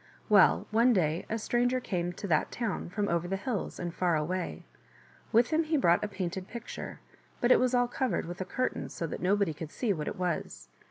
Well, one day a stranger came to that town from over the hills and far away. With him he brought a painted picture, but it was all covered with a curtain so that nobody could see what it was.